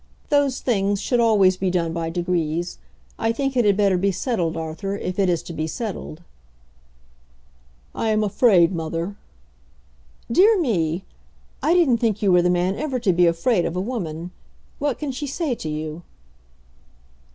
Those things should always be done by degrees. I think it had better be settled, Arthur, if it is to be settled." "I am afraid, mother." "Dear me! I didn't think you were the man ever to be afraid of a woman. What can she say to you?"